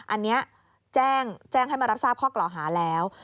อันนี้แจ้งให้มารับทราบข้อกล่าวหาแล้ว